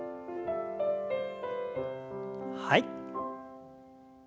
はい。